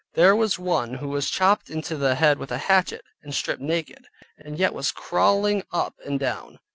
There was one who was chopped into the head with a hatchet, and stripped naked, and yet was crawling up and down.